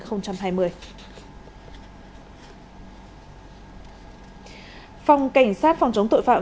phòng cảnh sát phòng chống tội phạm